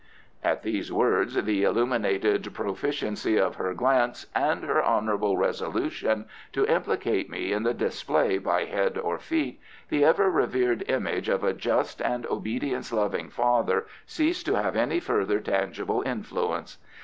At these words, the illuminated proficiency of her glance, and her honourable resolution to implicate me in the display by head or feet, the ever revered image of a just and obedience loving father ceased to have any further tangible influence.